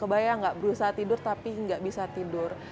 berubah ya gak berusaha tidur tapi gak bisa tidur